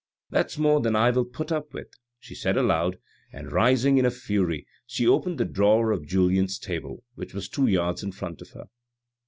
That's more than I will put up with," she said aloud, and rising in a fury, she opened the drawer of Julien's table, which was two yards in front of her.